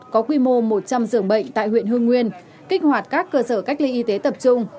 có quy mô một trăm linh giường bệnh tại huyện hương nguyên kích hoạt các cơ sở cách ly y tế tập trung